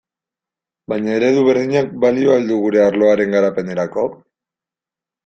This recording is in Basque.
Baina eredu berdinak balio al du gure arloaren garapenerako?